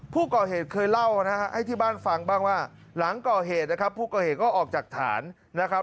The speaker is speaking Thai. ผู้ก่อเหตุเคยเล่านะฮะให้ที่บ้านฟังบ้างว่าหลังก่อเหตุนะครับผู้ก่อเหตุก็ออกจากฐานนะครับ